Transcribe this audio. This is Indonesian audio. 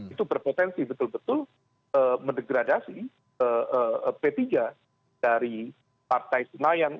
itu berpotensi betul betul mendegradasi p tiga dari partai senayan